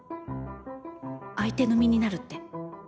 相手の身になるって。